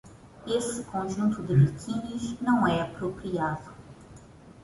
Esse conjunto de biquínis não é apropriado